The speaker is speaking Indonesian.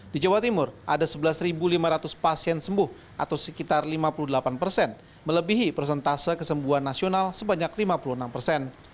di jawa timur ada sebelas lima ratus pasien sembuh atau sekitar lima puluh delapan persen melebihi persentase kesembuhan nasional sebanyak lima puluh enam persen